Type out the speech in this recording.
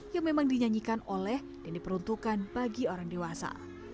yang memang dinyanyikan oleh dan diperuntukkan bagi orang dewasa